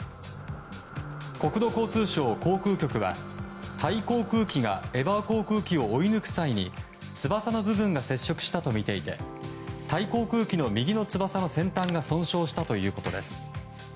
国土交通省航空局はタイ航空機がエバー航空機を追い抜く際に翼の部分が接触したとみていてタイ航空機の右の翼の先端が損傷したということです。